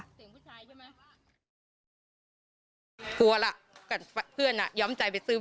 เธอขนลุกเลยนะคะเสียงอะไรอีกเสียงอะไรบางอย่างกับเธอแน่นอนค่ะ